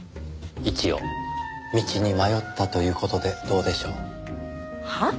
一応道に迷ったという事でどうでしょう？はあ？